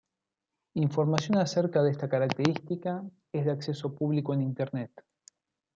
Información acerca de esta característica es de acceso público en Internet.